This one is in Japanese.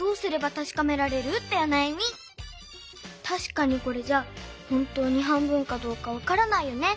たしかにこれじゃほんとに半分かどうかわからないよね。